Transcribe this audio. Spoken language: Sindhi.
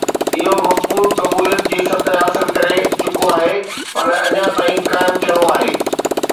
اهو مقبول قبوليت جي سطح حاصل ڪري چڪو آهي پر اڃا تائين قائم ٿيڻو آهي.